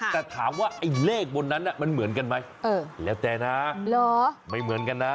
แต่ถามว่าไอ้เลขบนนั้นมันเหมือนกันไหมแล้วแต่นะไม่เหมือนกันนะ